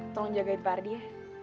tolong jagain pak ardi ya